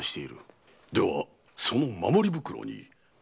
ではその守り袋に！